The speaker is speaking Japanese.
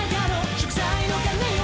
「祝祭の鐘よ